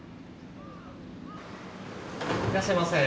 いらっしゃいませ。